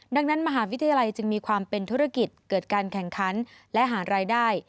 ดังนั้นมหาวิทยาลัยจึงมีความเป็นธุรกิจเกิดการแข่งขันและหารายได้